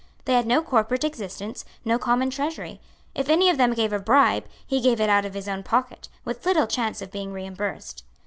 They had no corporate existence, no common treasury. If any of them gave a bribe, he gave it out of his own pocket, with little chance of being reimbursed.